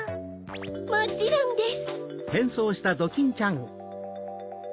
もちろんです！